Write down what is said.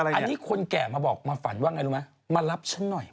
อันนี้คนแก่มาบอกมาฝันว่าไงรู้มั้ย